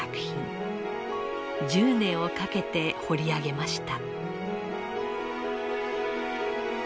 １０年をかけて彫り上げました。